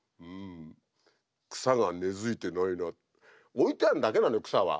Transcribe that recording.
置いてあるだけなのよ草は。